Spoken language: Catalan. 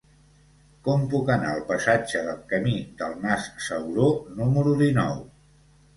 Com puc anar al passatge del Camí del Mas Sauró número dinou?